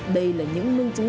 đây là những nâng chứng sẵn